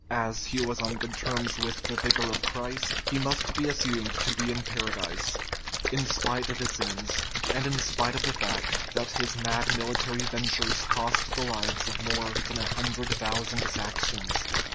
As he was on good terms with the Vicar of Christ, he must be assumed to be in Paradise, in spite of his sins, and in spite of the fact that his mad military ventures cost the lives of more than a hundred thousand Saxons.